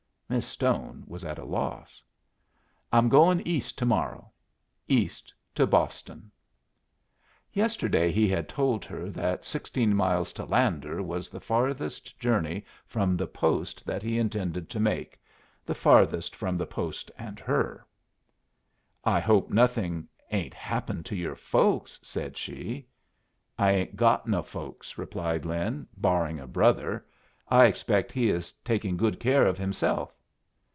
Miss Stone was at a loss. "I'm goin' East to morrow East, to Boston." Yesterday he had told her that sixteen miles to Lander was the farthest journey from the post that he intended to make the farthest from the post and her. "I hope nothing ain't happened to your folks?" said she. "I ain't got no folks," replied Lin, "barring a brother. I expect he is taking good care of himself."